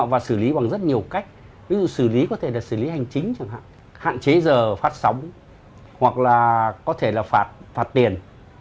và xử lý bằng rất nhiều cách ví dụ xử lý có thể là xử lý hành chính chẳng hạn hạn chế giờ phát sóng hoặc là có thể là phạt tiền